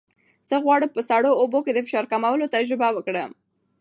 زه غواړم په سړو اوبو کې د فشار کمولو تجربه وکړم.